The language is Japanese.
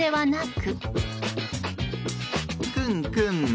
くんくん。